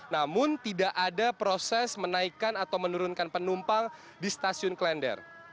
namun tidak ada proses menaikan atau menurunkan penumpang di stasiun klender